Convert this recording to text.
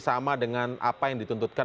sama dengan apa yang dituntutkan